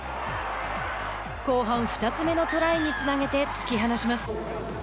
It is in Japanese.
後半２つ目のトライにつなげて突き放します。